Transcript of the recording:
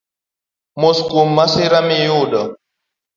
Mos kuom masira miyudo